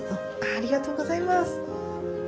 ありがとうございます。